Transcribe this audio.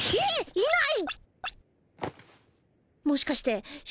いない。